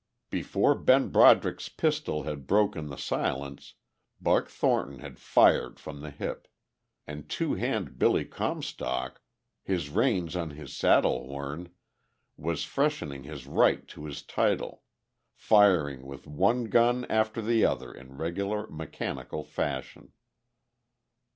Before Ben Broderick's pistol had broken the silence Buck Thornton had fired from the hip; and Two Hand Billy Comstock, his reins on his saddle horn, was freshening his right to his title, firing with one gun after the other in regular, mechanical fashion.